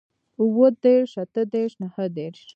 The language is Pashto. اووه دېرش اتۀ دېرش نهه دېرش